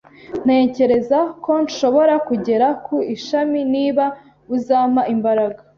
Ntekereza ko nshobora kugera ku ishami niba uzampa imbaraga.